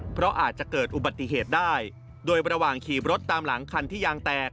เพราะอาจจะเกิดอุบัติเหตุได้โดยระหว่างขี่รถตามหลังคันที่ยางแตก